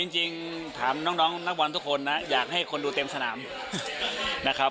จริงถามน้องนักบอลทุกคนนะอยากให้คนดูเต็มสนามนะครับ